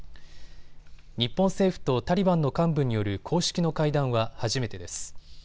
日本政府とタリバンの幹部による公式の会談は初めてです。